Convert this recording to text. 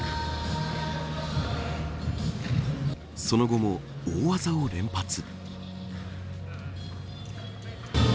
その後も大技を連発。